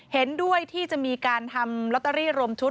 เห็นด้วยที่จะมีการทำลอตเตอรี่รวมชุด